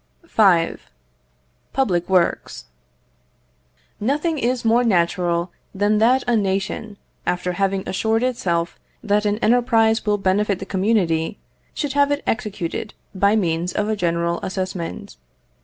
V. Public Works. Nothing is more natural than that a nation, after having assured itself that an enterprise will benefit the community, should have it executed by means of a general assessment.